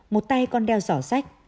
một tay con đeo giỏ sách